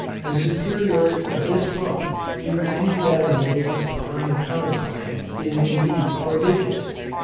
The superiority of this pump, to any that are made upon the common plan, is, indeed, prodigious.